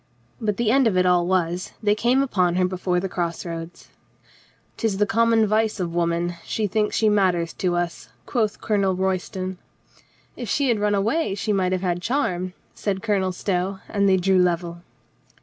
But the end of it all was, they came upon her before the cross roads. " 'Tis the common vice of woman. She thinks she matters to us," quoth Colonel Royston. "If she had run away she might have had charm," said Colonel Stow, and they drew level.